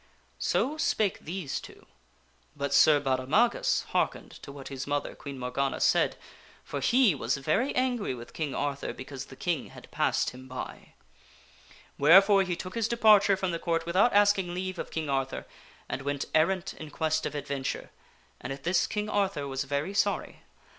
So spake these two ; but Sir Baudemagus hearkened to what his mother, Queen Morgana said, for he was very angry with King Arthur because the King had passed him by. Wherefore he took his departure from the Court without asking leave of King Arthur and went errant in quest of adventure, and at this King Arthur was very sorry.